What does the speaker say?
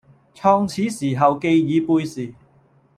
創始時候旣已背時，